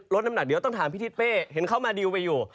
น้ำหนักเดี๋ยวต้องถามพี่ทิศเป้เห็นเขามาดิวไปอยู่